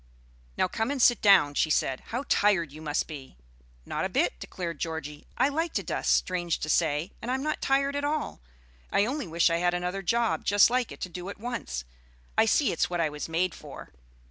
"Now come and sit down," she said. "How tired you must be!" "Not a bit," declared Georgie; "I like to dust, strange to say, and I'm not tired at all; I only wish I had another job just like it to do at once. I see it's what I was made for."